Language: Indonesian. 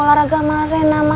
siapa dia maksudnya apa